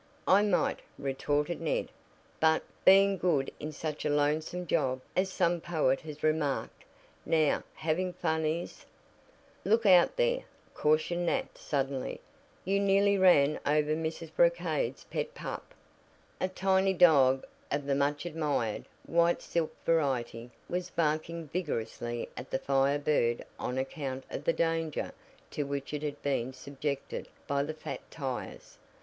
"I might," retorted Ned, "but, being good is such a lonesome job, as some poet has remarked. Now, having fun is " "Look out there!" cautioned Nat suddenly. "You nearly ran over Mrs. Brocade's pet pup." A tiny dog, of the much admired, white silk variety, was barking vigorously at the Fire Bird on account of the danger to which it had been subjected by the fat tires.